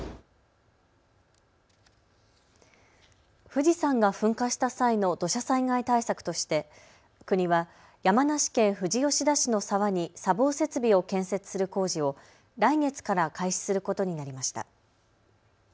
富士山が噴火した際の土砂災害対策として国は山梨県富士吉田市の沢に砂防設備を建設する工事を来月から開始することになりました。